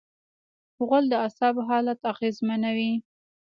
غول د اعصابو حالت اغېزمنوي.